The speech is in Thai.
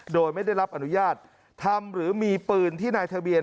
โดยไม่ได้รับอนุญาตทำหรือมีปืนที่นายทะเบียน